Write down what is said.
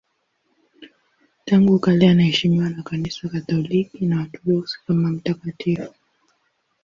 Tangu kale anaheshimiwa na Kanisa Katoliki na Waorthodoksi kama mtakatifu.